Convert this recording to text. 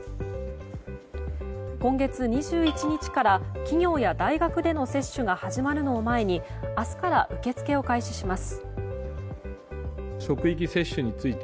今月２１日から企業や大学での接種が始まるのを前に明日から受け付けを開始します。